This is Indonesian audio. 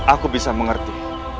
aku bisa mengerti